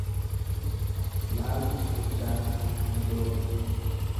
laalchi guddaan mudoo fida.